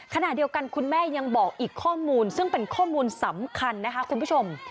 ขณะเดียวกันคุณแม่ยังบอกอีกข้อมูลซึ่งเป็นข้อมูลสำคัญนะคะคุณผู้ชม